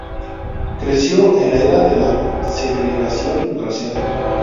Creció en la era de la segregación racial.